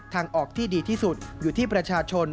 ทางออกที่ดีที่สุดอยู่ที่ประชาชน